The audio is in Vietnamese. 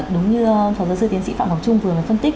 đúng như phó giáo sư tiến sĩ phạm ngọc trung vừa là phân tích